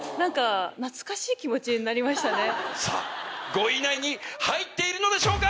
５位以内に入っているのでしょうか